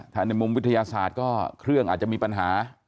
ถ้าในมุมวิทยาศาสตร์ก็เครื่องอาจจะมีปัญหา